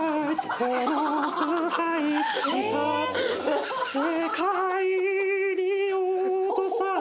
「この腐敗した世界に堕とされた」